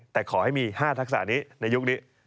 แต่ขอให้มี๕ทักษะนี้ในยุคนี้